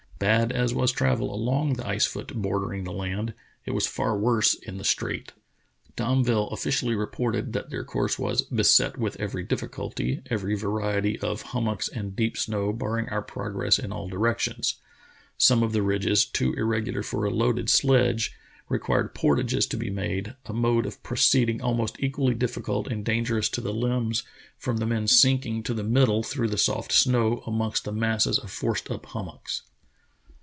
Bad as was travel along the ice foot bordering the land, it was far worse in the strait. Domville offi cially reported that their course "was beset with every difficulty, every variety of hummocks and deep snow barring our progress in all directions. Some of the ridges, too irregular for a loaded sledge, required port ages to be made, a mode of proceeding almost equally difficult and dangerous to the limbs, from the men sink The Journey of Bedford Pirn 89 ing to the middle through the soft snow amongst the masses of forced up hummocks.